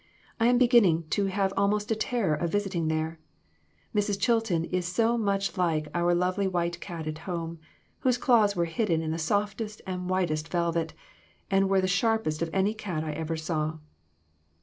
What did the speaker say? I am beginning to have almost a terror of visiting there. Mrs. Chilton is so much like our lovely white cat at home, whose claws were hidden in the softest and whitest velvet, and were the sharp est of any cat I ever saw."